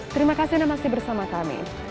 terima kasih anda masih bersama kami